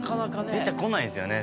出てこないですよね